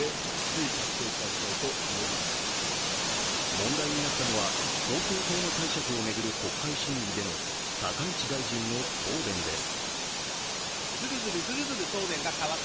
問題になったのは放送法の解釈を巡る国会審議での高市大臣の答弁です。